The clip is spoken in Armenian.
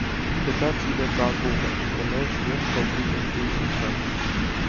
Գտած իրը կակուղ էր, կլոր և փոքրիկ ընկյուզի չափ: